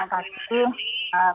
ya terima kasih